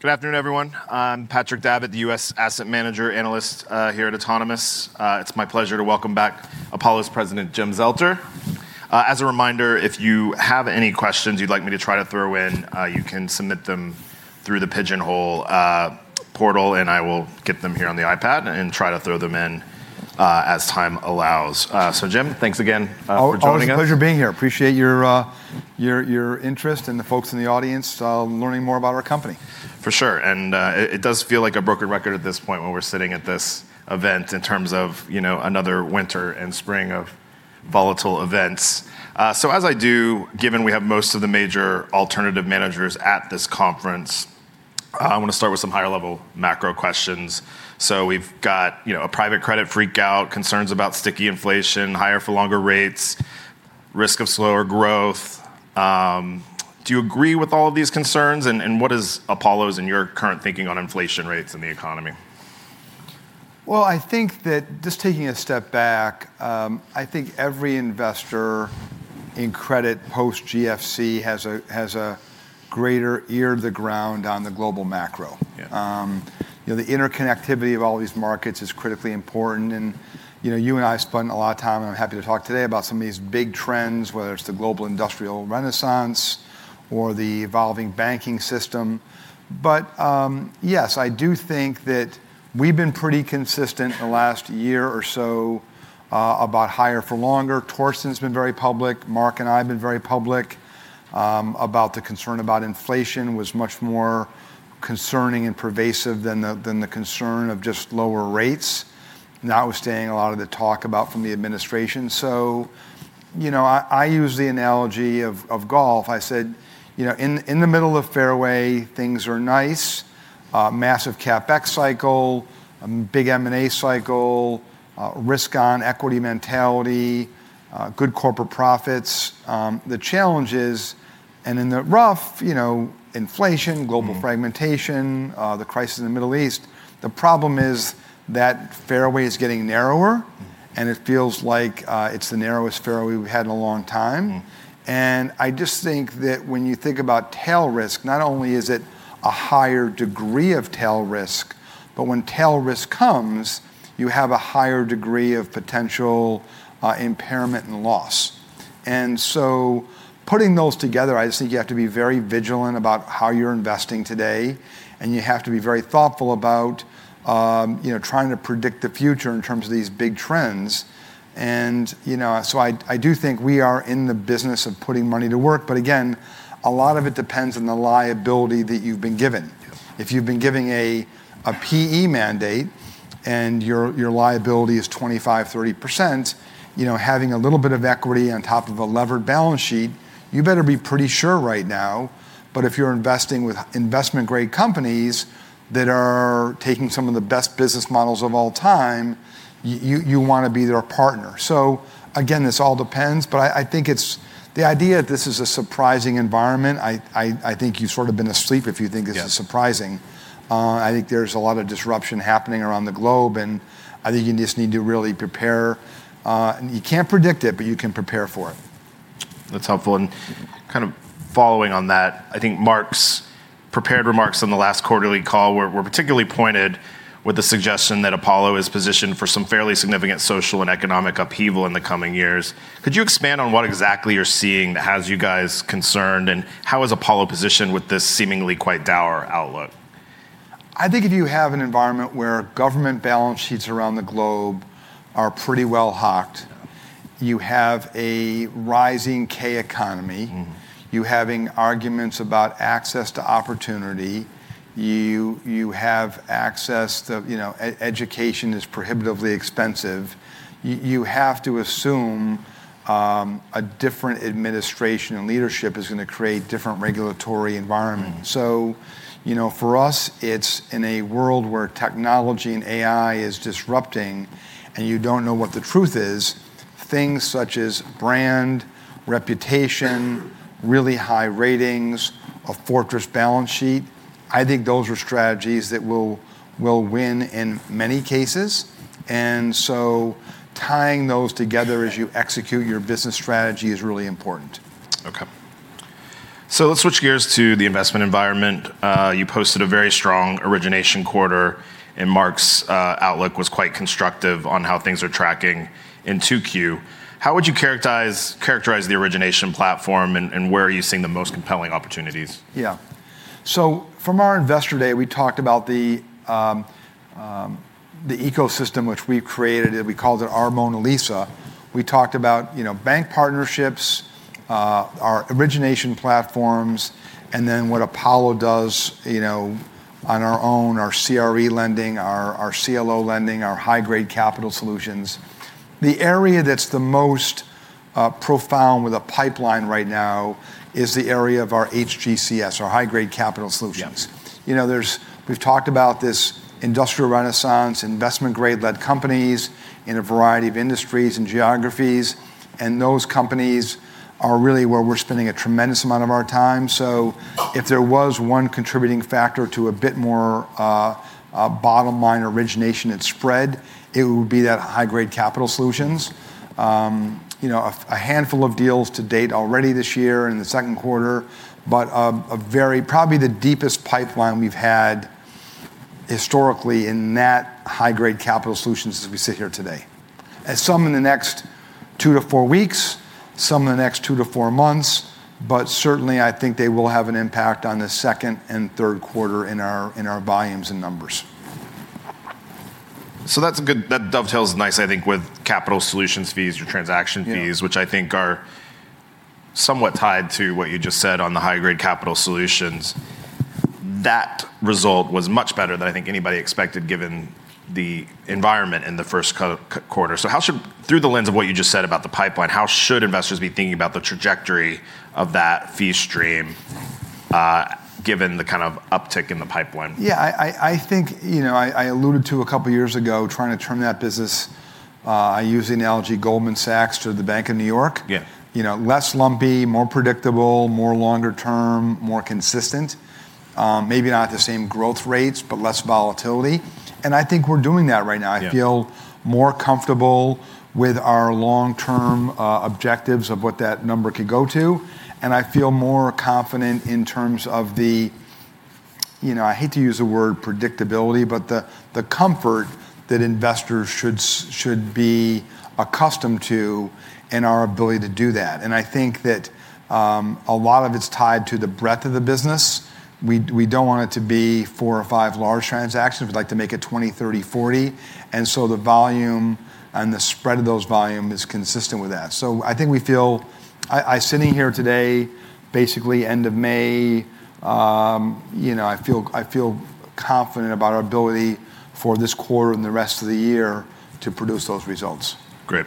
Good afternoon, everyone. I'm Patrick Davitt, the U.S. Asset Manager Analyst here at Autonomous Research. It's my pleasure to welcome back Apollo's President, Jim Zelter. As a reminder, if you have any questions you'd like me to try to throw in, you can submit them through the Pigeonhole portal, and I will get them here on the iPad and try to throw them in, as time allows. Jim, thanks again for joining us. Always a pleasure being here. Appreciate your interest and the folks in the audience learning more about our company. For sure. It does feel like a broken record at this point when we're sitting at this event in terms of another winter and spring of volatile events. As I do, given we have most of the major alternative managers at this conference, I want to start with some higher-level macro questions. We've got a private credit freak-out, concerns about sticky inflation, higher-for-longer rates, risk of slower growth. Do you agree with all of these concerns and what is Apollo's and your current thinking on inflation rates and the economy? Well, I think that just taking a step back, I think every investor in credit post-GFC has a greater ear to the ground on the global macro. Yeah. The interconnectivity of all these markets is critically important and you and I have spent a lot of time, and I'm happy to talk today about some of these big trends, whether it's the global industrial renaissance or the evolving banking system. Yes, I do think that we've been pretty consistent in the last year or so about higher for longer. Torsten's been very public. Marc and I have been very public, about the concern about inflation was much more concerning and pervasive than the concern of just lower rates. That was staying a lot of the talk about from the administration. I use the analogy of golf. I said, in the middle of fairway things are nice, massive CapEx cycle, big M&A cycle, risk on equity mentality, good corporate profits. The challenge is, and in the rough, inflation, global fragmentation. the crisis in the Middle East. The problem is that fairway is getting narrower, and it feels like it's the narrowest fairway we've had in a long time. I just think that when you think about tail risk, not only is it a higher degree of tail risk, but when tail risk comes, you have a higher degree of potential impairment and loss. Putting those together, I just think you have to be very vigilant about how you're investing today, and you have to be very thoughtful about trying to predict the future in terms of these big trends. I do think we are in the business of putting money to work, but again, a lot of it depends on the liability that you've been given. Yeah. If you've been given a PE mandate and your liability is 25, 30%, having a little bit of equity on top of a levered balance sheet, you better be pretty sure right now. If you're investing with investment-grade companies that are taking some of the best business models of all time, you want to be their partner. Again, this all depends, but I think it's the idea that this is a surprising environment, I think you've sort of been asleep if you think this is surprising. Yeah. I think there's a lot of disruption happening around the globe, and I think you just need to really prepare. You can't predict it, but you can prepare for it. That's helpful. Kind of following on that, I think Marc's prepared remarks on the last quarterly call were particularly pointed with the suggestion that Apollo is positioned for some fairly significant social and economic upheaval in the coming years. Could you expand on what exactly you're seeing that has you guys concerned, and how is Apollo positioned with this seemingly quite dour outlook? I think if you have an environment where government balance sheets around the globe are pretty well hocked, you have a rising K-economy. You having arguments about access to opportunity, education is prohibitively expensive. You have to assume a different administration and leadership is going to create different regulatory environments. For us, it's in a world where technology and AI is disrupting, and you don't know what the truth is, things such as brand, reputation, really high ratings, a fortress balance sheet, I think those are strategies that will win in many cases. Tying those together as you execute your business strategy is really important. Okay. Let's switch gears to the investment environment. You posted a very strong origination quarter. Marc's outlook was quite constructive on how things are tracking in 2Q. How would you characterize the origination platform? Where are you seeing the most compelling opportunities? Yeah. From our investor day, we talked about the ecosystem which we've created, and we called it our Mona Lisa. We talked about bank partnerships, our origination platforms, and then what Apollo does on our own, our CRE lending, our CLO lending, our high-grade capital solutions. The area that's the most profound with a pipeline right now is the area of our HGCS, our high-grade capital solutions. Yeah. We've talked about this industrial renaissance, investment-grade-led companies in a variety of industries and geographies, and those companies are really where we're spending a tremendous amount of our time. If there was one contributing factor to a bit more bottom line origination and spread, it would be that High-Grade Capital Solutions. A handful of deals to date already this year in the second quarter, but probably the deepest pipeline we've had historically in net High-Grade Capital Solutions as we sit here today. Some in the next two to four weeks, some in the next two to four months. Certainly, I think they will have an impact on the second and third quarter in our volumes and numbers. That dovetails nice, I think, with capital solutions fees, your transaction fees. Yeah which I think are somewhat tied to what you just said on the High-Grade Capital Solutions. That result was much better than I think anybody expected, given the environment in the first quarter. Through the lens of what you just said about the pipeline, how should investors be thinking about the trajectory of that fee stream, given the kind of uptick in the pipeline? Yeah, I think I alluded to, a couple of years ago, trying to turn that business. I used the analogy, Goldman Sachs to the Bank of New York. Yeah. Less lumpy, more predictable, more longer term, more consistent. Maybe not the same growth rates, but less volatility. I think we're doing that right now. Yeah. I feel more comfortable with our long-term objectives of what that number could go to, and I feel more confident in terms of the, I hate to use the word predictability, but the comfort that investors should be accustomed to and our ability to do that. I think that a lot of it's tied to the breadth of the business. We don't want it to be four or five large transactions. We'd like to make it 20, 30, 40. The volume and the spread of those volume is consistent with that. I think we feel, I sitting here today, basically end of May, I feel confident about our ability for this quarter and the rest of the year to produce those results. Great.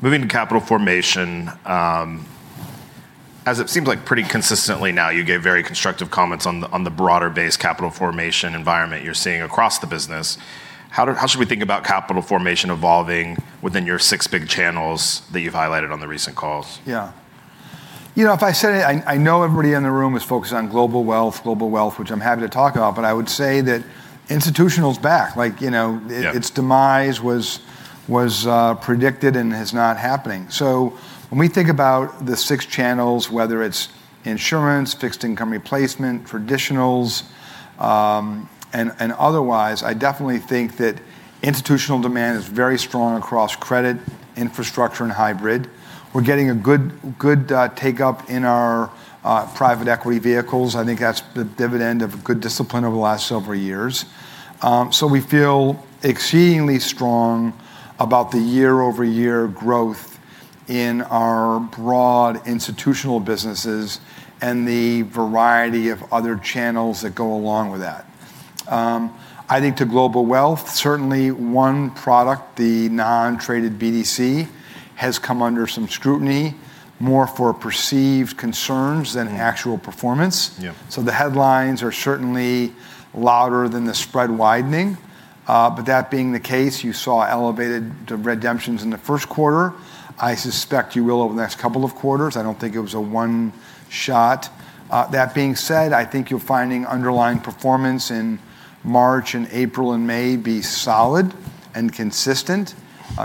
Moving to capital formation, as it seems like pretty consistently now, you gave very constructive comments on the broader base capital formation environment you're seeing across the business. How should we think about capital formation evolving within your six big channels that you've highlighted on the recent calls? Yeah. If I said it, I know everybody in the room is focused on global wealth, global wealth, which I'm happy to talk about, but I would say that institutional's back. Yeah. its demise was predicted and is not happening. When we think about the six channels, whether it's insurance, fixed income replacement, traditionals, and otherwise, I definitely think that institutional demand is very strong across credit, infrastructure, and hybrid. We're getting a good take-up in our private equity vehicles. I think that's the dividend of good discipline over the last several years. We feel exceedingly strong about the year-over-year growth in our broad institutional businesses and the variety of other channels that go along with that. I think to global wealth, certainly one product, the non-traded BDC, has come under some scrutiny more for perceived concerns than actual performance. Yeah. The headlines are certainly louder than the spread widening. That being the case, you saw elevated redemptions in the first quarter. I suspect you will over the next couple of quarters. I don't think it was a one-shot. That being said, I think you're finding underlying performance in March and April and May be solid and consistent.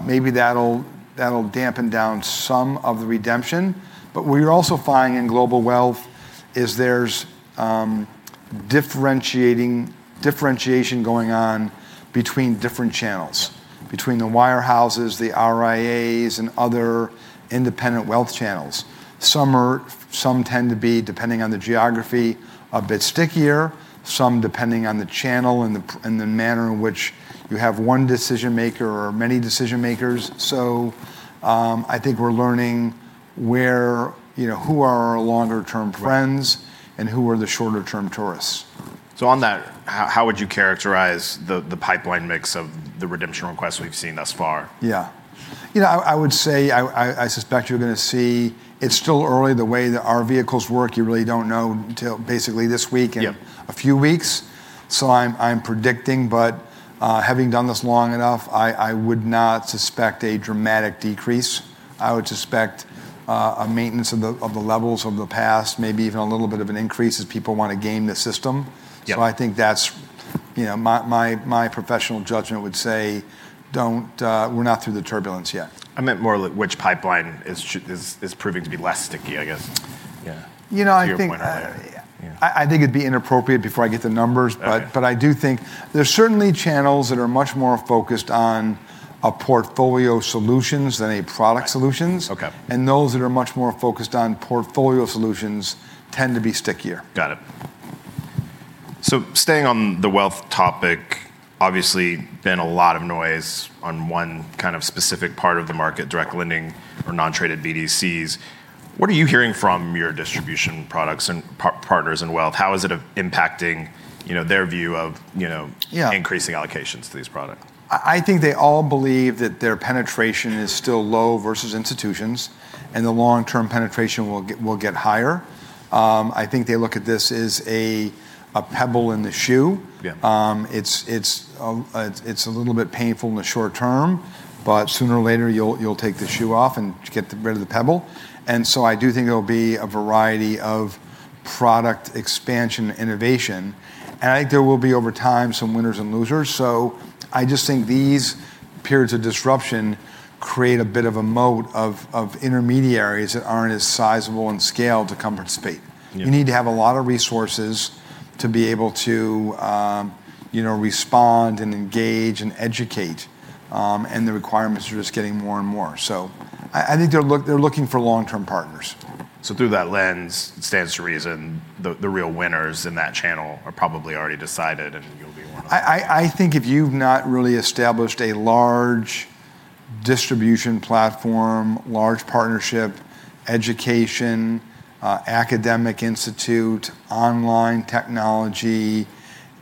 Maybe that'll dampen down some of the redemption. What you're also finding in global wealth is there's differentiation going on between different channels, between the wirehouses, the RIAs, and other independent wealth channels. Some tend to be, depending on the geography, a bit stickier, some depending on the channel and the manner in which you have one decision-maker or many decision-makers. I think we're learning who are our longer-term friends and who are the shorter-term tourists. On that, how would you characterize the pipeline mix of the redemption requests we've seen thus far? Yeah. I would say, I suspect you're going to see it's still early. The way that our vehicles work, you really don't know until basically this week. Yeah a few weeks. I'm predicting, but having done this long enough, I would not suspect a dramatic decrease. I would suspect a maintenance of the levels of the past, maybe even a little bit of an increase as people want to game the system. Yeah. I think that's my professional judgment would say, we're not through the turbulence yet. I meant more like which pipeline is proving to be less sticky, I guess. Yeah. To your point earlier. Yeah. I think it'd be inappropriate before I get the numbers. Okay. I do think there's certainly channels that are much more focused on a portfolio solutions than a product solutions. Okay. Those that are much more focused on portfolio solutions tend to be stickier. Got it. Staying on the wealth topic, obviously, been a lot of noise on one kind of specific part of the market, direct lending or non-traded BDCs. What are you hearing from your distribution partners in wealth? How is it impacting their view of- Yeah increasing allocations to these products? I think they all believe that their penetration is still low versus institutions, and the long-term penetration will get higher. I think they look at this as a pebble in the shoe. Yeah. It's a little bit painful in the short term, but sooner or later you'll take the shoe off and get rid of the pebble. I do think there'll be a variety of product expansion innovation, and I think there will be, over time, some winners and losers. I just think these periods of disruption create a bit of a moat of intermediaries that aren't as sizable in scale to compete. Yeah. You need to have a lot of resources to be able to respond, and engage, and educate. The requirements are just getting more and more. I think they're looking for long-term partners. Through that lens, it stands to reason the real winners in that channel are probably already decided, and you'll be one of them. I think if you've not really established a large distribution platform, large partnership, education, academic institute, online technology,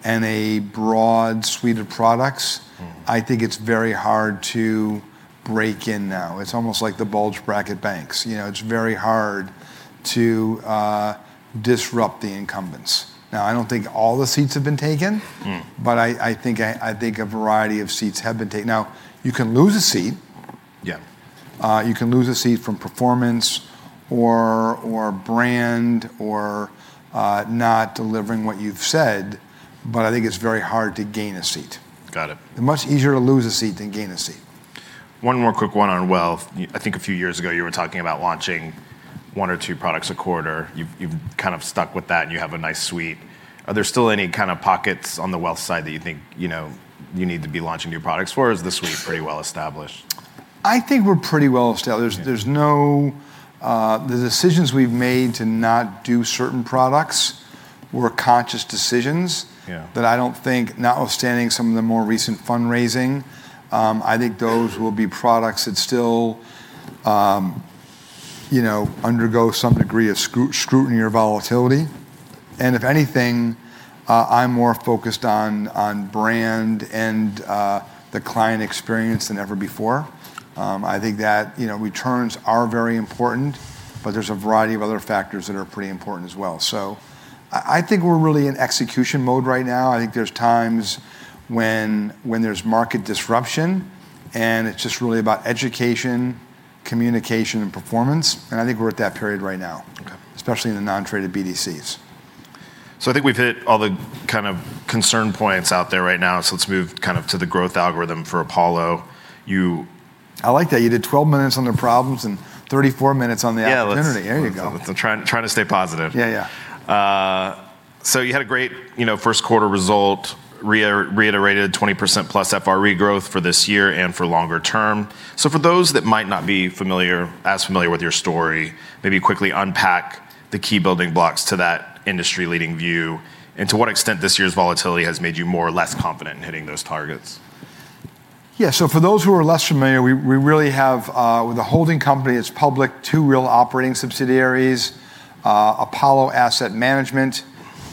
and a broad suite of products. I think it's very hard to break in now. It's almost like the bulge bracket banks. It's very hard to disrupt the incumbents. I don't think all the seats have been taken. I think a variety of seats have been taken. Now, you can lose a seat. Yeah. You can lose a seat from performance or brand, or not delivering what you've said, but I think it's very hard to gain a seat. Got it. Much easier to lose a seat than gain a seat. One more quick one on wealth. I think a few years ago you were talking about launching one or two products a quarter. You've kind of stuck with that, and you have a nice suite. Are there still any kind of pockets on the wealth side that you think you need to be launching new products for? Or is the suite pretty well-established? I think we're pretty well-established. Yeah. The decisions we've made to not do certain products were conscious decisions. Yeah. That I don't think, notwithstanding some of the more recent fundraising, I think those will be products that still undergo some degree of scrutiny or volatility. If anything, I'm more focused on brand and the client experience than ever before. I think that returns are very important, but there's a variety of other factors that are pretty important as well. I think we're really in execution mode right now. I think there's times when there's market disruption, and it's just really about education, communication, and performance, and I think we're at that period right now. Okay. Especially in the non-traded BDCs. I think we've hit all the concern points out there right now, so let's move to the growth algorithm for Apollo. I like that. You did 12 minutes on the problems and 34 minutes on the opportunity. Yeah. There you go. I'm trying to stay positive. Yeah. You had a great first quarter result. Reiterated 20%+ FRE growth for this year and for longer term. For those that might not be as familiar with your story, maybe quickly unpack the key building blocks to that industry leading view, and to what extent this year's volatility has made you more or less confident in hitting those targets. Yeah. For those who are less familiar, we really have the holding company, it's public, two real operating subsidiaries, Apollo Asset Management,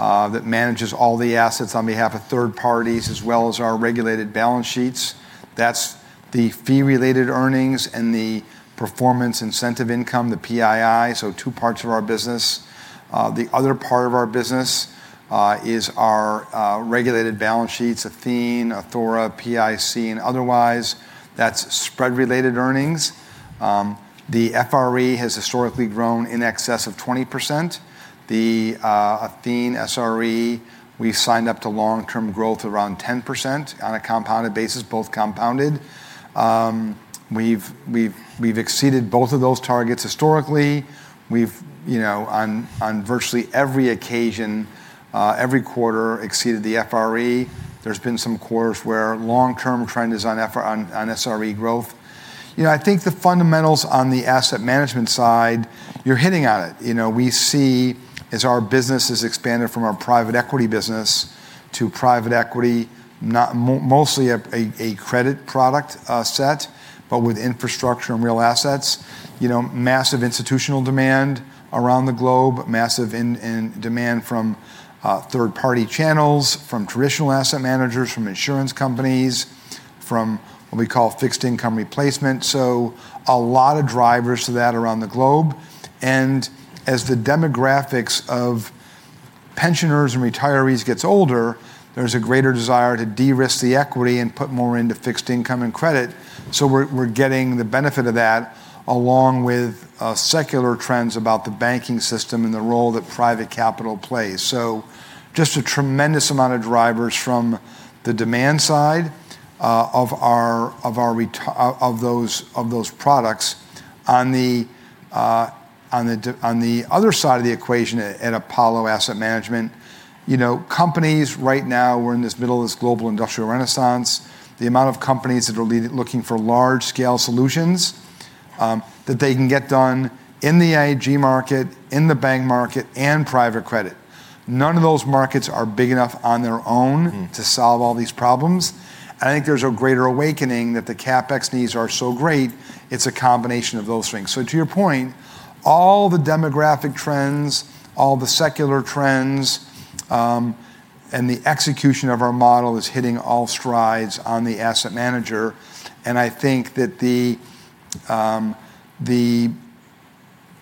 that manages all the assets on behalf of third parties as well as our regulated balance sheets. That's the fee-related earnings and the performance incentive income, the PII, two parts of our business. The other part of our business is our regulated balance sheets, Athene, Athora, PIC, and otherwise, that's spread-related earnings. The FRE has historically grown in excess of 20%. The Athene SRE, we signed up to long-term growth around 10% on a compounded basis, both compounded. We've exceeded both of those targets historically. We've, on virtually every occasion, every quarter, exceeded the FRE. There's been some quarters where long-term trend is on SRE growth. I think the fundamentals on the asset management side, you're hitting at it. We see as our business has expanded from our private equity business to private equity, mostly a credit product set, but with infrastructure and real assets. Massive institutional demand around the globe, massive demand from third-party channels, from traditional asset managers, from insurance companies, from what we call fixed income replacement. A lot of drivers to that around the globe. As the demographics of pensioners and retirees gets older, there's a greater desire to de-risk the equity and put more into fixed income and credit. We're getting the benefit of that along with secular trends about the banking system and the role that private capital plays. Just a tremendous amount of drivers from the demand side of those products. On the other side of the equation at Apollo Asset Management, companies right now, we're in this middle of this global industrial renaissance. The amount of companies that are looking for large scale solutions that they can get done in the IG market, in the bank market, and private credit. None of those markets are big enough on their own. to solve all these problems. I think there's a greater awakening that the CapEx needs are so great, it's a combination of those things. To your point, all the demographic trends, all the secular trends, and the execution of our model is hitting all strides on the asset manager. I think that the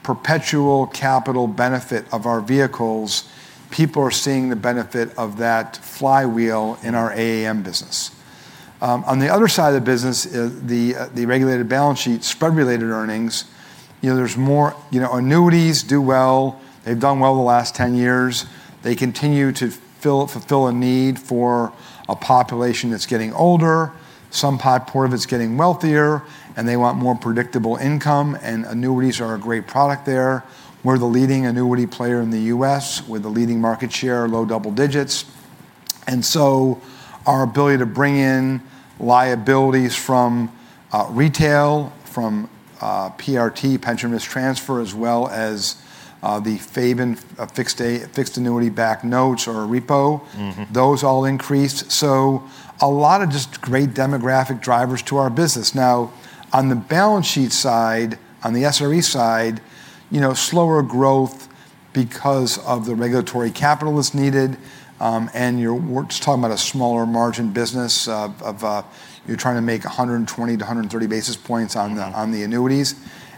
perpetual capital benefit of our vehicles, people are seeing the benefit of that flywheel in our AAM business. On the other side of the business, the regulated balance sheet, spread-related earnings. Annuities do well. They've done well the last 10 years. They continue to fulfill a need for a population that's getting older, some part of it's getting wealthier, and they want more predictable income, and annuities are a great product there. We're the leading annuity player in the U.S. We're the leading market share, low double digits. Our ability to bring in liabilities from retail, from PRT, pension risk transfer, as well as the FABN, fixed annuity backed notes. those all increased. A lot of just great demographic drivers to our business. On the balance sheet side, on the SRE side, slower growth because of the regulatory capital that's needed, and we're just talking about a smaller margin business of you're trying to make 120 basis points-130 basis points on the annuities.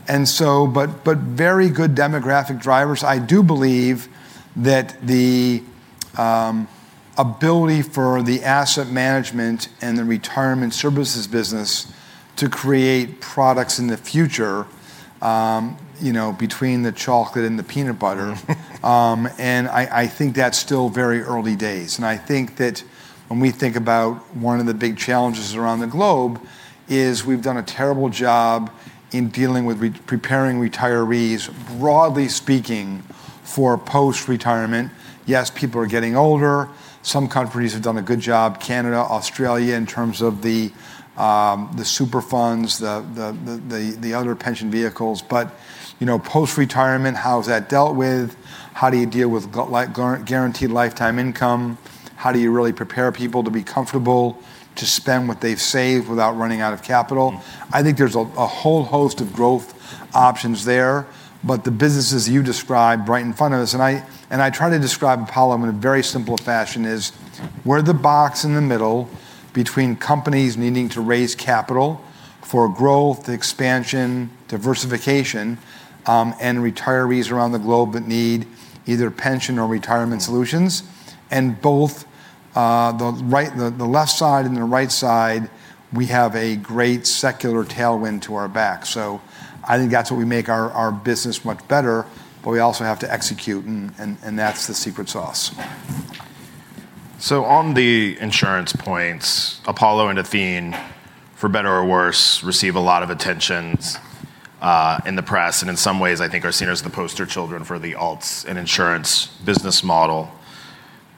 Very good demographic drivers. I do believe that the ability for the asset management and the retirement services business to create products in the future, between the chocolate and the peanut butter, and I think that's still very early days. I think that when we think about one of the big challenges around the globe is we've done a terrible job in dealing with preparing retirees, broadly speaking, for post-retirement. Yes, people are getting older. Some countries have done a good job, Canada, Australia, in terms of the super funds, the other pension vehicles. Post-retirement, how is that dealt with? How do you deal with guaranteed lifetime income? How do you really prepare people to be comfortable to spend what they've saved without running out of capital? I think there's a whole host of growth options there, but the businesses you described right in front of us, and I try to describe Apollo in a very simple fashion, is we're the box in the middle between companies needing to raise capital for growth, expansion, diversification, and retirees around the globe that need either pension or retirement solutions. Both the left side and the right side, we have a great secular tailwind to our back. I think that's what we make our business much better, but we also have to execute, and that's the secret sauce. On the insurance points, Apollo and Athene, for better or worse, receive a lot of attention in the press, and in some ways, I think are seen as the poster children for the alts and insurance business model.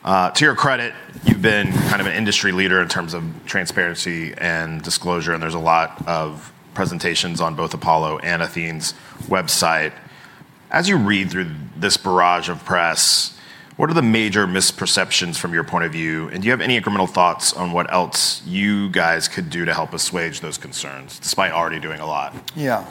To your credit, you've been kind of an industry leader in terms of transparency and disclosure, and there's a lot of presentations on both Apollo and Athene's website. As you read through this barrage of press, what are the major misperceptions from your point of view, and do you have any incremental thoughts on what else you guys could do to help assuage those concerns, despite already doing a lot? Yeah.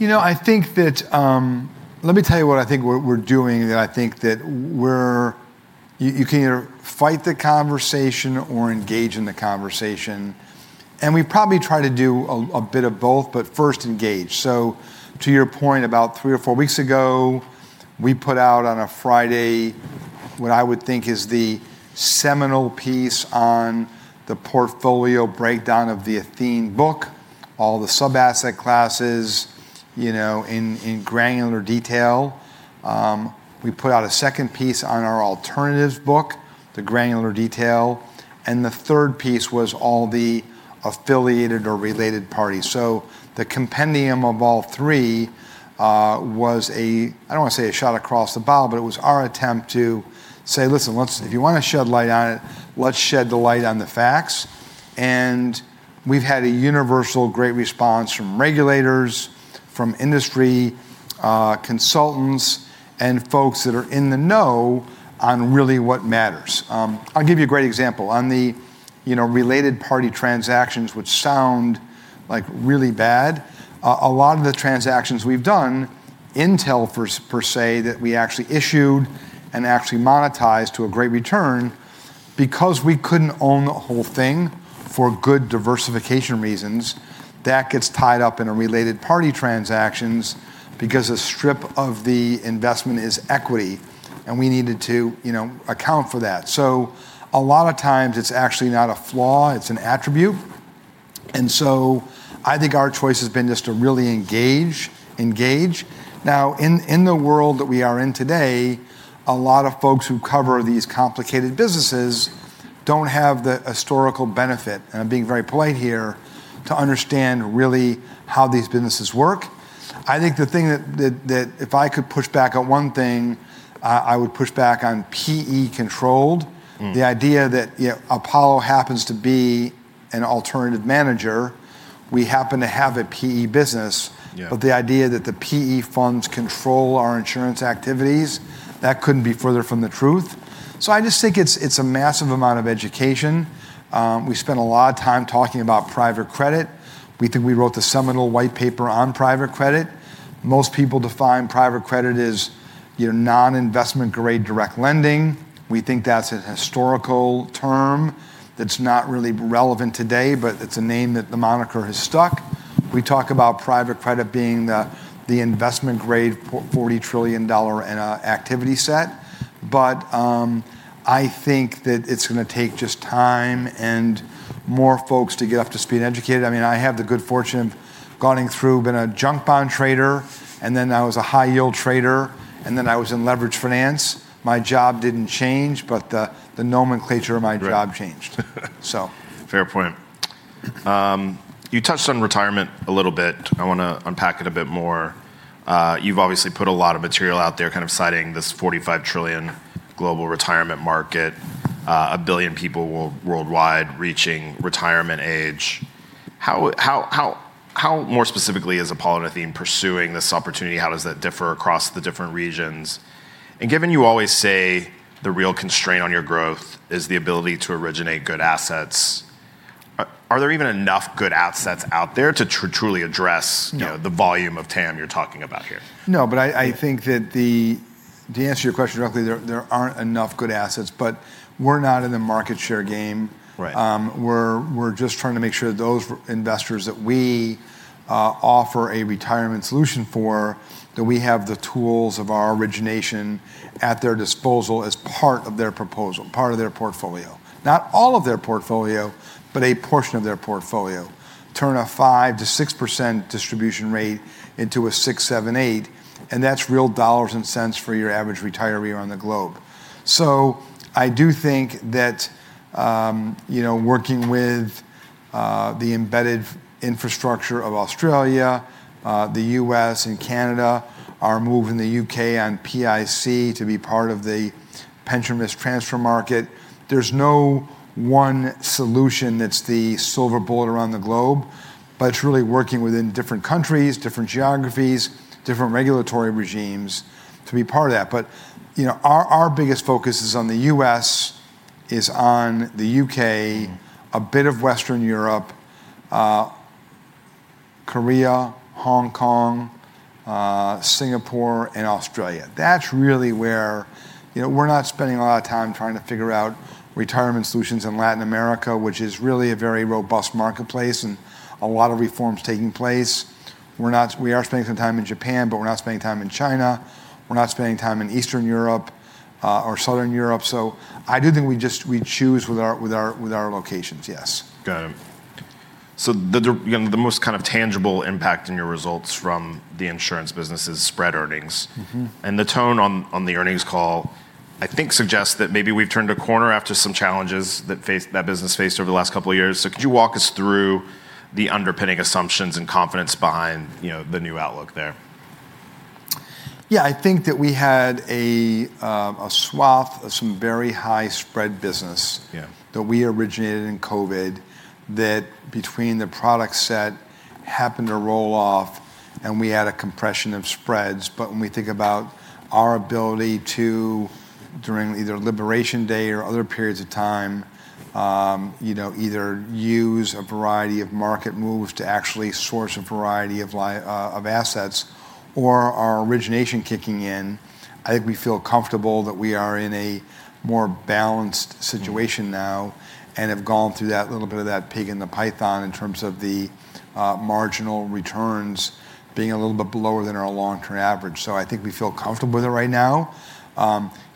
Let me tell you what I think we're doing, that I think that you can either fight the conversation or engage in the conversation. We probably try to do a bit of both, but first engage. To your point, about three or four weeks ago, we put out on a Friday what I would think is the seminal piece on the portfolio breakdown of the Athene book, all the sub-asset classes in granular detail. We put out a second piece on our alternatives book, the granular detail, and the third piece was all the affiliated or related parties. The compendium of all three was, I don't want to say a shot across the bow, but it was our attempt to say, "Listen, if you want to shed light on it, let's shed the light on the facts." We've had a universal great response from regulators, from industry, consultants, and folks that are in the know on really what matters. I'll give you a great example. On the related party transactions which sound really bad, a lot of the transactions we've done, Intel per se, that we actually issued and actually monetized to a great return because we couldn't own the whole thing for good diversification reasons. That gets tied up in a related party transactions because a strip of the investment is equity, and we needed to account for that. A lot of times it's actually not a flaw, it's an attribute. I think our choice has been just to really engage. Now, in the world that we are in today, a lot of folks who cover these complicated businesses don't have the historical benefit, and I'm being very polite here, to understand really how these businesses work. I think the thing that if I could push back on one thing, I would push back on PE controlled. The idea that Apollo happens to be an alternative manager, we happen to have a PE business. Yeah The idea that the PE funds control our insurance activities, that couldn't be further from the truth. I just think it's a massive amount of education. We spent a lot of time talking about private credit. We think we wrote the seminal white paper on private credit. Most people define private credit as your non-investment grade direct lending. We think that's a historical term that's not really relevant today, but it's a name that the moniker has stuck. We talk about private credit being the investment grade $40 trillion in activity set. I think that it's going to take just time and more folks to get up to speed and educated. I have the good fortune of going through, been a junk bond trader, and then I was a high yield trader, and then I was in leverage finance. My job didn't change, but the nomenclature of my job changed. Right. Fair point. You touched on retirement a little bit. I want to unpack it a bit more. You've obviously put a lot of material out there kind of citing this $45 trillion global retirement market, a billion people worldwide reaching retirement age. How more specifically is Apollo and Athene pursuing this opportunity? How does that differ across the different regions? Given you always say the real constraint on your growth is the ability to originate good assets, are there even enough good assets out there to truly address? No the volume of TAM you're talking about here? No. I think that to answer your question directly, there aren't enough good assets, but we're not in the market share game. Right. We're just trying to make sure that those investors that we offer a retirement solution for, that we have the tools of our origination at their disposal as part of their proposal, part of their portfolio. Not all of their portfolio, but a portion of their portfolio. Turn a 5%-6% distribution rate into a 6%, 7%, 8%, and that's real dollars and cents for your average retiree around the globe. I do think that working with the embedded infrastructure of Australia, the U.S., and Canada, our move in the U.K. on PIC to be part of the pension risk transfer market, there's no one solution that's the silver bullet around the globe. It's really working within different countries, different geographies, different regulatory regimes to be part of that. Our biggest focus is on the U.S., is on the U.K., a bit of Western Europe, Korea, Hong Kong, Singapore, and Australia. We're not spending a lot of time trying to figure out retirement solutions in Latin America, which is really a very robust marketplace and a lot of reforms taking place. We are spending some time in Japan, but we're not spending time in China, we're not spending time in Eastern Europe, or Southern Europe. I do think we choose with our locations, yes. Got it. The most tangible impact in your results from the insurance business is spread earnings. The tone on the earnings call, I think suggests that maybe we've turned a corner after some challenges that that business faced over the last couple of years. Could you walk us through the underpinning assumptions and confidence behind the new outlook there? Yeah. I think that we had a swath of some very high spread business. Yeah that we originated in COVID, that between the product set happened to roll off, and we had a compression of spreads. When we think about our ability to, during either Liberation Day or other periods of time, either use a variety of market moves to actually source a variety of assets or our origination kicking in, I think we feel comfortable that we are in a more balanced situation now and have gone through that little bit of that pig in the python in terms of the marginal returns being a little bit lower than our long-term average. I think we feel comfortable with it right now.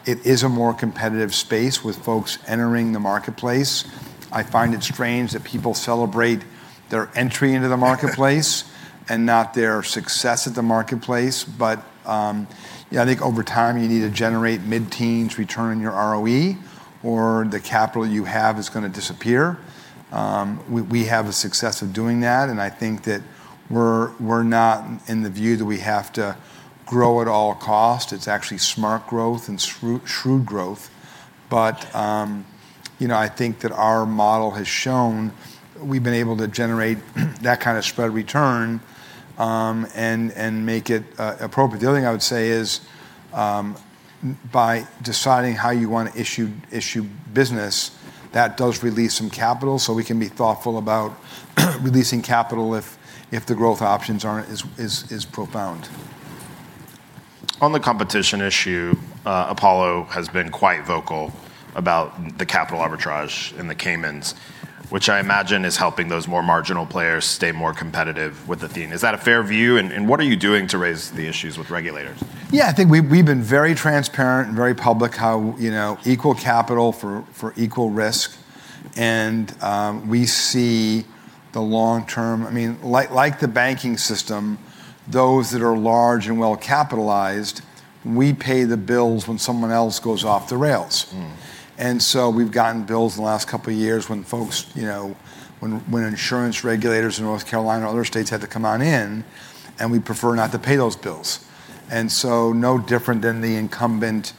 It is a more competitive space with folks entering the marketplace. I find it strange that people celebrate their entry into the marketplace and not their success at the marketplace. Yeah, I think over time, you need to generate mid-teens return on your ROE or the capital you have is going to disappear. We have a success of doing that, and I think that we're not in the view that we have to grow at all costs. It's actually smart growth and shrewd growth. I think that our model has shown we've been able to generate that kind of spread return, and make it appropriate. The other thing I would say is, by deciding how you want to issue business, that does release some capital, so we can be thoughtful about releasing capital if the growth options aren't as profound. On the competition issue, Apollo has been quite vocal about the capital arbitrage in the Caymans, which I imagine is helping those more marginal players stay more competitive with Athene. Is that a fair view, and what are you doing to raise the issues with regulators? Yeah. I think we've been very transparent and very public how equal capital for equal risk. Like the banking system, those that are large and well-capitalized, we pay the bills when someone else goes off the rails. We've gotten bills in the last couple of years when insurance regulators in North Carolina or other states had to come on in, and we'd prefer not to pay those bills. No different than the incumbent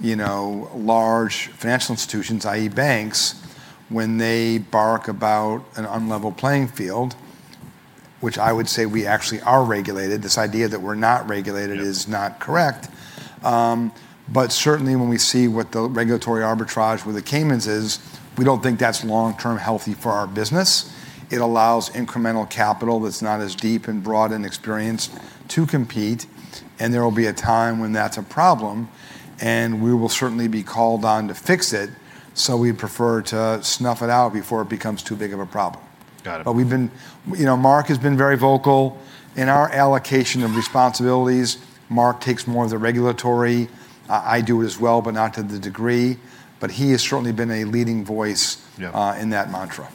large financial institutions, i.e. banks, when they bark about an unlevel playing field, which I would say we actually are regulated. This idea that we're not regulated is not correct. Certainly, when we see what the regulatory arbitrage with the Caymans is, we don't think that's long-term healthy for our business. It allows incremental capital that's not as deep and broad and experienced to compete, and there will be a time when that's a problem, and we will certainly be called on to fix it. We'd prefer to snuff it out before it becomes too big of a problem. Got it. Marc has been very vocal. In our allocation of responsibilities, Marc takes more of the regulatory. I do it as well, but not to the degree, but he has certainly been a leading voice. Yeah in that mantra.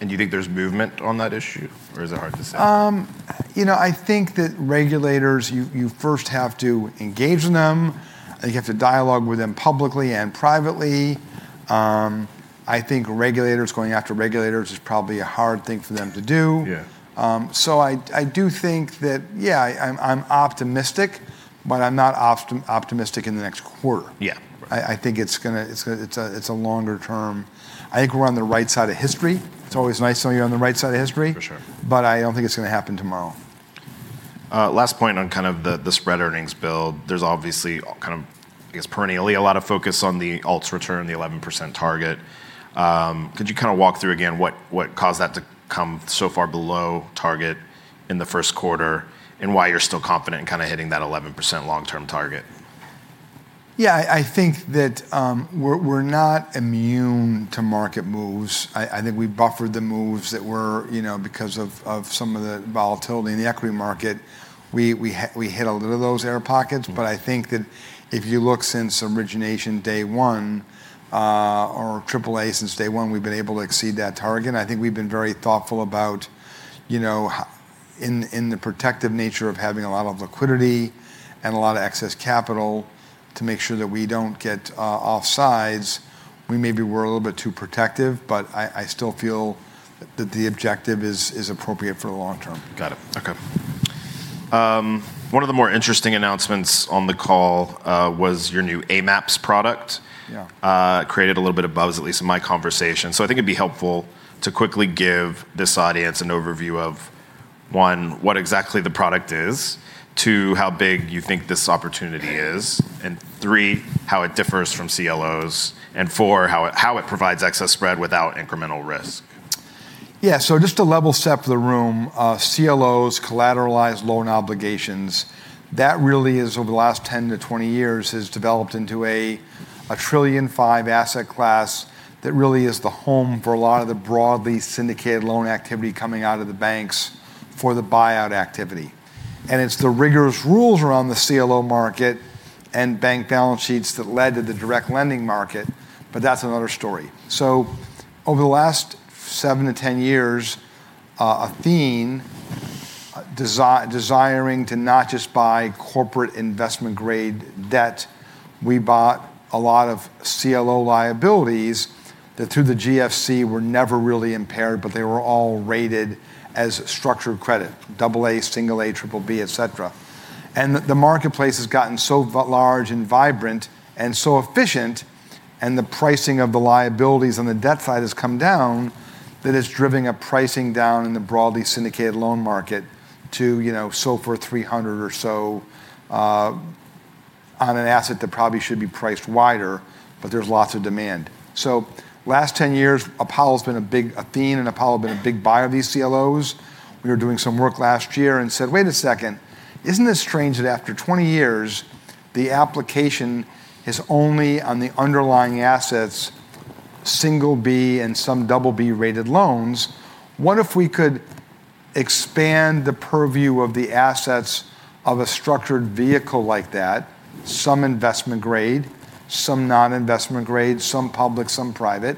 Do you think there's movement on that issue, or is it hard to say? I think that regulators, you first have to engage with them, and you have to dialogue with them publicly and privately. I think regulators going after regulators is probably a hard thing for them to do. Yeah. I do think that, yeah, I'm optimistic, but I'm not optimistic in the next quarter. Yeah. Right. I think it's a longer term. I think we're on the right side of history. It's always nice when you're on the right side of history. For sure. I don't think it's going to happen tomorrow. Last point on kind of the spread earnings build. There's obviously, kind of, I guess, perennially, a lot of focus on the ALTS return, the 11% target. Could you walk through again what caused that to come so far below target in the first quarter, and why you're still confident in kind of hitting that 11% long-term target? I think that we're not immune to market moves. I think we buffered the moves that were because of some of the volatility in the equity market. We hit a little of those air pockets. I think that if you look since origination day one, or AAA since day one, we've been able to exceed that target. I think we've been very thoughtful about in the protective nature of having a lot of liquidity and a lot of excess capital to make sure that we don't get offsides. We maybe were a little bit too protective, but I still feel that the objective is appropriate for the long term. Got it. Okay. One of the more interesting announcements on the call was your new AMAPs product. Yeah. Created a little bit of buzz, at least in my conversation. I think it'd be helpful to quickly give this audience an overview of, one, what exactly the product is, two, how big you think this opportunity is, and three, how it differs from CLOs, and four, how it provides excess spread without incremental risk. Just to level set the room, CLOs, Collateralized Loan Obligations, that really is, over the last 10-20 years, has developed into a $1.5 trillion asset class that really is the home for a lot of the Broadly Syndicated Loan activity coming out of the banks for the buyout activity. It's the rigorous rules around the CLO market and bank balance sheets that led to the direct lending market, but that's another story. Over the last 7-10 years, Athene, desiring to not just buy corporate investment-grade debt, we bought a lot of CLO liabilities that, through the GFC, were never really impaired, but they were all rated as structured credit, AA, A, BBB, et cetera. The marketplace has gotten so large and vibrant and so efficient, and the pricing of the liabilities on the debt side has come down, that it's driven a pricing down in the broadly syndicated loan market to SOFR 300 or so on an asset that probably should be priced wider, but there's lots of demand. Last 10 years, Apollo's been a big, Athene and Apollo, have been a big buyer of these CLOs. We were doing some work last year and said, "Wait a second." Isn't this strange that after 20 years, the application is only on the underlying assets single B and some double B-rated loans? What if we could expand the purview of the assets of a structured vehicle like that, some investment grade, some non-investment grade, some public, some private.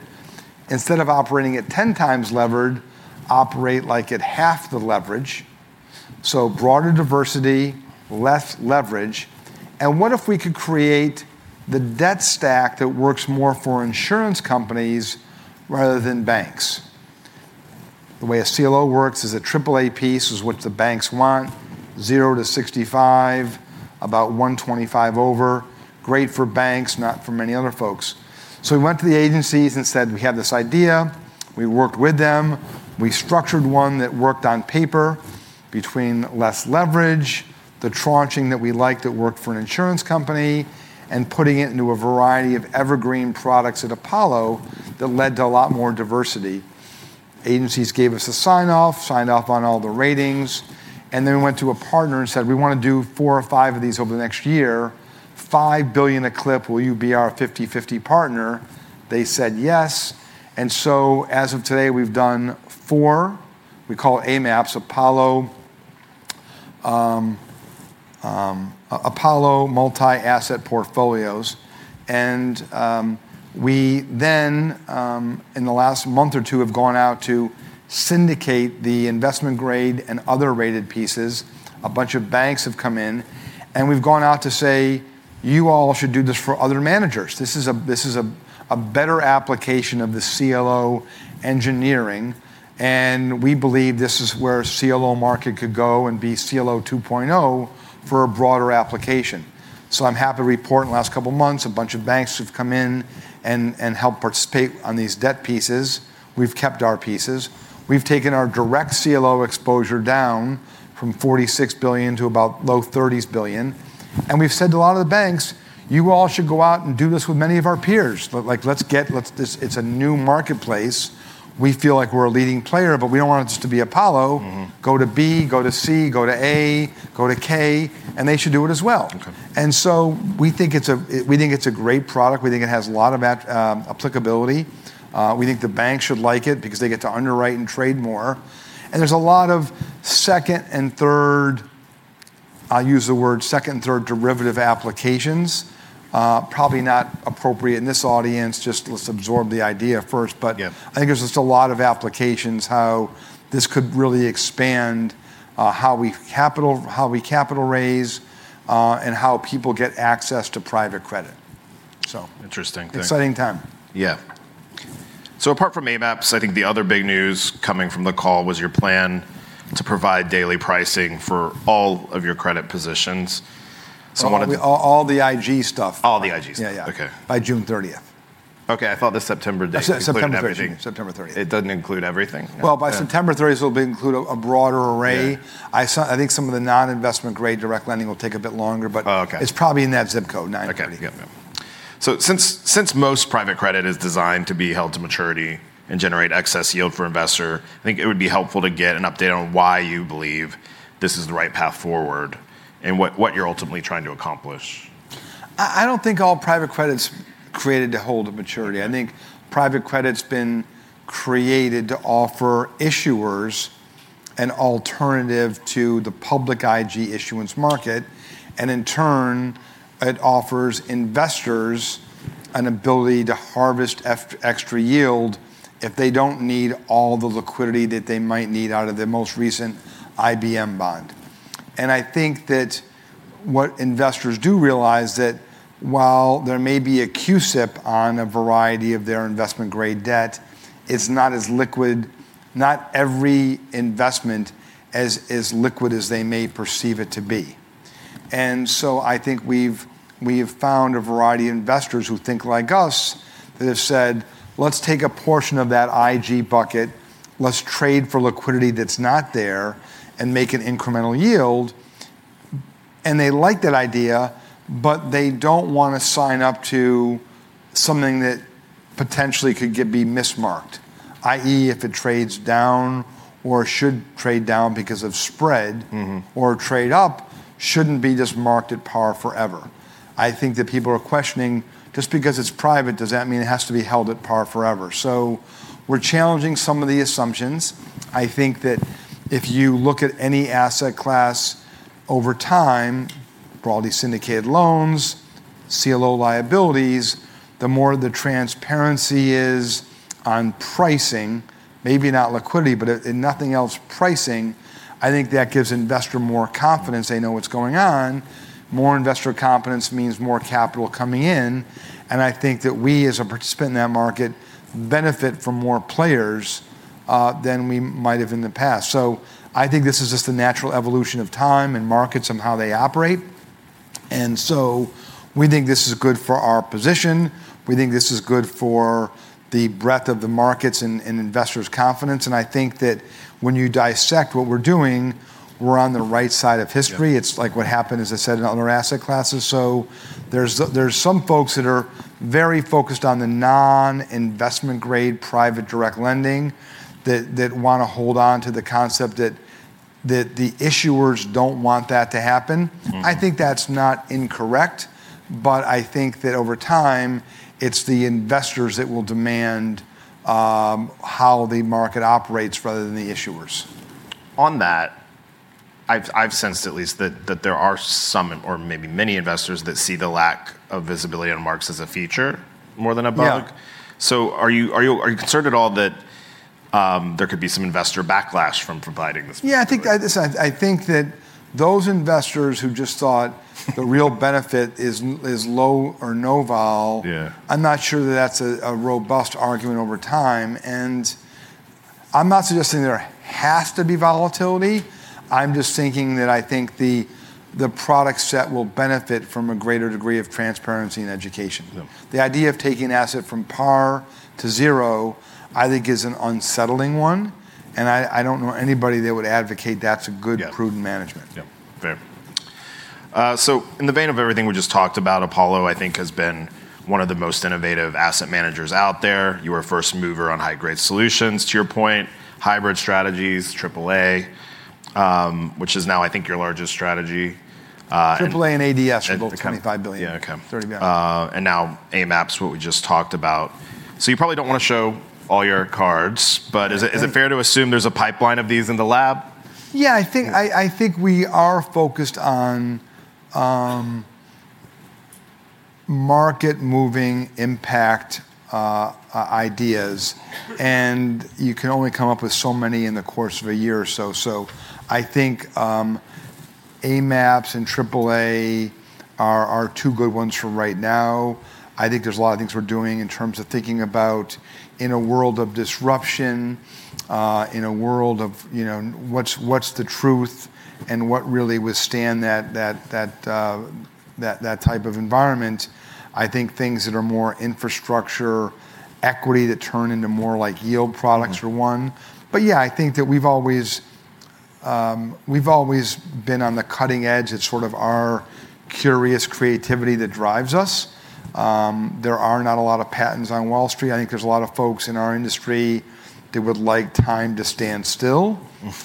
Instead of operating at 10 times levered, operate like at half the leverage. Broader diversity, less leverage. What if we could create the debt stack that works more for insurance companies rather than banks? The way a CLO works is a AAA piece is what the banks want, 0-65, about 125 over. Great for banks, not for many other folks. We went to the agencies and said, "We have this idea." We worked with them. We structured one that worked on paper between less leverage, the tranching that we liked that worked for an insurance company, and putting it into a variety of evergreen products at Apollo that led to a lot more diversity. Agencies gave us a sign-off, signed off on all the ratings, and then we went to a partner and said, "We want to do four or five of these over the next year, $5 billion a clip. Will you be our 50/50 partner?" They said yes. As of today, we've done four. We call it AMAPs, Apollo Multi-Asset Portfolios. We then, in the last month or two, have gone out to syndicate the investment grade and other rated pieces. A bunch of banks have come in, and we've gone out to say, "You all should do this for other managers. This is a better application of the CLO engineering, and we believe this is where CLO market could go and be CLO 2.0 for a broader application." I'm happy to report in the last couple of months, a bunch of banks have come in and helped participate on these debt pieces. We've kept our pieces. We've taken our direct CLO exposure down from $46 billion to about low $30s billion. We've said to a lot of the banks, "You all should go out and do this with many of our peers." It's a new marketplace. We feel like we're a leading player, but we don't want it just to be Apollo. Go to B, go to C, go to A, go to K, and they should do it as well. Okay. We think it's a great product. We think it has a lot of applicability. We think the banks should like it because they get to underwrite and trade more. There's a lot of I'll use the word second and third derivative applications. Probably not appropriate in this audience, just let's absorb the idea first. Yeah. I think there's just a lot of applications how this could really expand how we capital raise, and how people get access to private credit. Interesting thing. Exciting time. Yeah. Apart from AMAPs, I think the other big news coming from the call was your plan to provide daily pricing for all of your credit positions. All the IG stuff. All the IG stuff. Yeah. Okay. By June 30th. I thought the September date included everything. September 30th. It doesn't include everything? Yeah. Well, by September 30th, it'll include a broader array. Yeah. I think some of the non-investment grade direct lending will take a bit longer. Oh, okay. it's probably in that ZIP code, 9/30. Okay. Yeah. Since most private credit is designed to be held to maturity and generate excess yield for investor, I think it would be helpful to get an update on why you believe this is the right path forward and what you're ultimately trying to accomplish. I don't think all private credit's created to hold to maturity. I think private credit's been created to offer issuers an alternative to the public IG issuance market. In turn, it offers investors an ability to harvest extra yield if they don't need all the liquidity that they might need out of their most recent IBM bond. I think that what investors do realize that while there may be a CUSIP on a variety of their investment-grade debt, it's not as liquid, not every investment as liquid as they may perceive it to be. I think we've found a variety of investors who think like us, that have said, "Let's take a portion of that IG bucket. Let's trade for liquidity that's not there and make an incremental yield. They like that idea, but they don't want to sign up to something that potentially could be mismarked, i.e., if it trades down or should trade down. or trade up, shouldn't be just marked at par forever. I think that people are questioning just because it's private, does that mean it has to be held at par forever? We're challenging some of the assumptions. I think that if you look at any asset class over time, Broadly Syndicated Loans, CLO liabilities, the more the transparency is on pricing, maybe not liquidity, but if nothing else, pricing, I think that gives investor more confidence they know what's going on. More investor confidence means more capital coming in, and I think that we, as a participant in that market, benefit from more players than we might have in the past. I think this is just the natural evolution of time and markets and how they operate, and so we think this is good for our position. We think this is good for the breadth of the markets and investors' confidence, and I think that when you dissect what we're doing, we're on the right side of history. Yeah. It's like what happened, as I said, in other asset classes. There's some folks that are very focused on the non-investment grade private direct lending that want to hold onto the concept that the issuers don't want that to happen. I think that's not incorrect, but I think that over time it's the investors that will demand how the market operates rather than the issuers. On that, I've sensed at least that there are some or maybe many investors that see the lack of visibility on marks as a feature more than a bug. Yeah. Are you concerned at all that there could be some investor backlash from providing this information? Yeah, I think that those investors who just thought the real benefit is low or no. Yeah I'm not sure that that's a robust argument over time, and I'm not suggesting there has to be volatility. I'm just thinking that I think the product set will benefit from a greater degree of transparency and education. Yeah. The idea of taking asset from par to zero, I think is an unsettling one, and I don't know anybody that would advocate that's a good-. Yeah prudent management. Yeah. Fair. In the vein of everything we just talked about, Apollo, I think has been one of the most innovative asset managers out there. You were a first mover on high-grade solutions, to your point, hybrid strategies, AAA, which is now I think your largest strategy. AAA and ADS are both $25 billion. Yeah, okay. $30 billion. Now AMAPs, what we just talked about. You probably don't want to show all your cards. Okay Is it fair to assume there's a pipeline of these in the lab? Yeah, I think we are focused on market-moving impact ideas, and you can only come up with so many in the course of a year or so. I think AMAPs and AAA are two good ones for right now. I think there's a lot of things we're doing in terms of thinking about in a world of disruption, in a world of what's the truth and what really withstand that type of environment. I think things that are more infrastructure equity that turn into more like yield products. Are one. Yeah, I think that we've always been on the cutting edge. It's sort of our curious creativity that drives us. There are not a lot of patents on Wall Street. I think there's a lot of folks in our industry that would like time to stand still.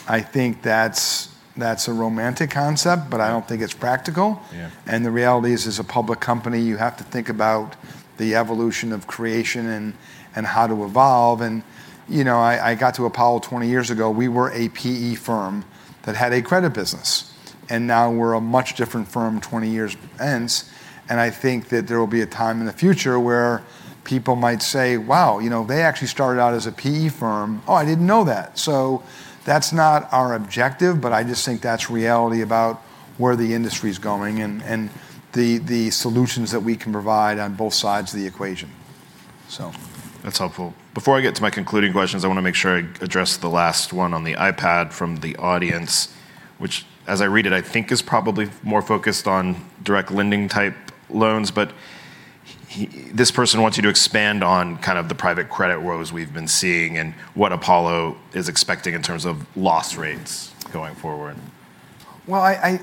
I think that's a romantic concept, but I don't think it's practical. Yeah. The reality is, as a public company, you have to think about the evolution of creation and how to evolve, and I got to Apollo 20 years ago, we were a PE firm that had a credit business. Now we're a much different firm 20 years hence, I think that there will be a time in the future where people might say, "Wow, they actually started out as a PE firm. Oh, I didn't know that." That's not our objective, but I just think that's reality about where the industry's going and the solutions that we can provide on both sides of the equation, so That's helpful. Before I get to my concluding questions, I want to make sure I address the last one on the iPad from the audience, which as I read it, I think is probably more focused on direct lending type loans. This person wants you to expand on the private credit woes we've been seeing and what Apollo is expecting in terms of loss rates going forward. Well, there's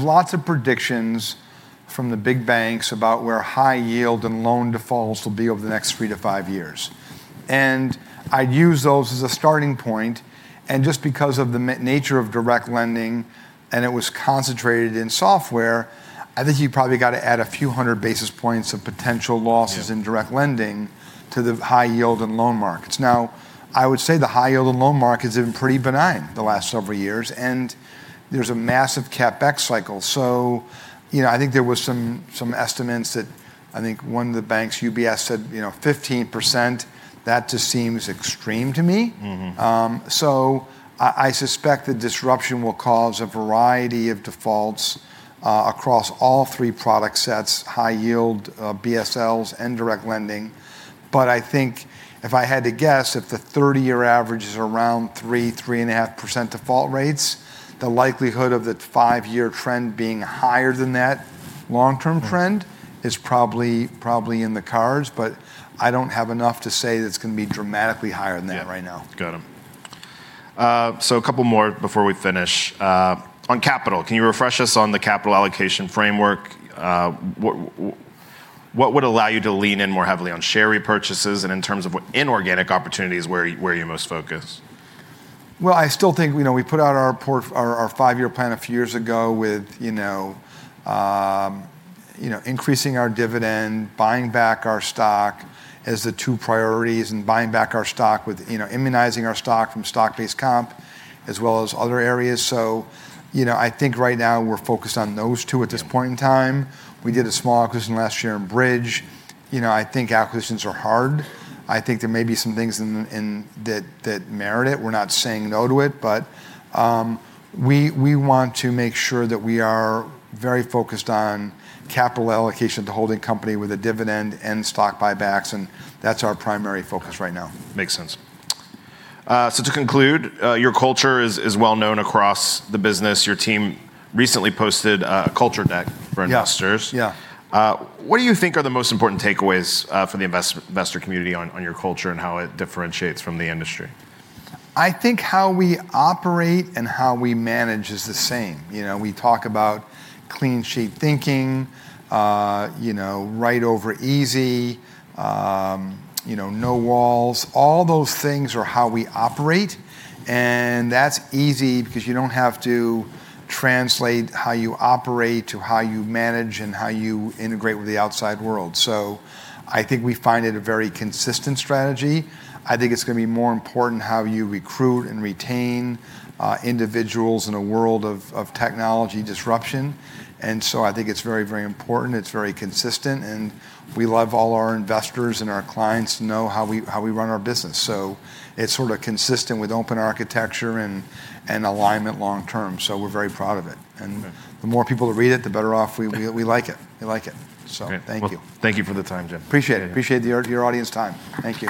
lots of predictions from the big banks about where high yield and loan defaults will be over the next three to five years, and I'd use those as a starting point. Just because of the nature of direct lending, and it was concentrated in software, I think you probably got to add a few hundred basis points of potential losses. Yeah in direct lending to the high yield and loan markets. I would say the high yield and loan market has been pretty benign the last several years, and there's a massive CapEx cycle. I think there was some estimates that, I think one of the banks, UBS, said 15%. That just seems extreme to me. I suspect the disruption will cause a variety of defaults, across all three product sets, high yield, BSLs and direct lending. I think if I had to guess, if the 30-year average is around 3%-3.5% default rates, the likelihood of the five-year trend being higher than that long-term trend. is probably in the cards, but I don't have enough to say that it's going to be dramatically higher than that right now. Yeah. Got it. A couple more before we finish. On capital, can you refresh us on the capital allocation framework? What would allow you to lean in more heavily on share repurchases and in terms of inorganic opportunities, where are you most focused? Well, I still think, we put out our five-year plan a few years ago with increasing our dividend, buying back our stock as the two priorities, and buying back our stock with immunizing our stock from stock-based comp as well as other areas. I think right now we're focused on those two at this point in time. We did a small acquisition last year in Bridge. I think acquisitions are hard. I think there may be some things that merit it. We're not saying no to it, but we want to make sure that we are very focused on capital allocation at the holding company with a dividend and stock buybacks, and that's our primary focus right now. Makes sense. To conclude, your culture is well known across the business. Your team recently posted a culture deck for investors. Yeah. What do you think are the most important takeaways for the investor community on your culture and how it differentiates from the industry? I think how we operate and how we manage is the same. We talk about clean sheet thinking, right over easy, no walls. All those things are how we operate, and that's easy because you don't have to translate how you operate to how you manage and how you integrate with the outside world. I think we find it a very consistent strategy. I think it's going to be more important how you recruit and retain individuals in a world of technology disruption. I think it's very, very important, it's very consistent, and we love all our investors and our clients to know how we run our business. It's sort of consistent with open architecture and alignment long term. We're very proud of it. Okay. The more people that read it, the better off we like it. We like it. Thank you. Well, thank you for the time, Jim. Appreciate it. Appreciate your audience time. Thank you.